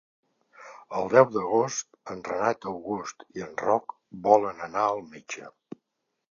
El deu d'agost en Renat August i en Roc volen anar al metge.